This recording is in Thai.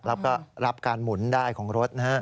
แล้วก็รับการหมุนได้ของรถนะฮะ